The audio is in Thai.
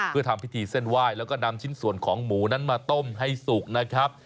เพื่อทำพิธีเส้นไหว้แล้วก็นำชิ้นส่วนของหมูนั้นมาต้มให้สุกนะครับ